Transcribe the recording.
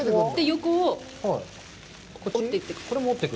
横を折っていってください。